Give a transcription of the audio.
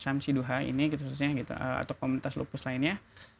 shamsi duhai ini khususnya gitu atau komunitas lupus lainnya